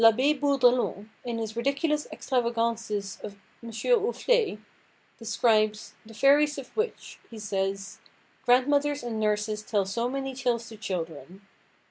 L'Abbé Bourdelon, in his Ridiculous Extravagances of M. Ouflé, describes "The fairies of which," he says, "grandmothers and nurses tell so many tales to children.